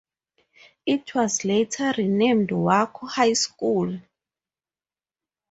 It was later renamed Waco High School.